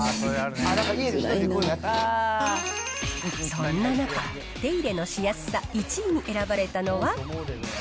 そんな中、手入れのしやすさ１位に選ばれたのは。